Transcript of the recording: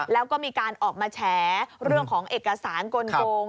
แล้วก็มีการออกมาแฉเรื่องของเอกสารกลง